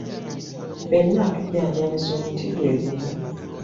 Ffenna tujjanjabisa omuti gwegumu.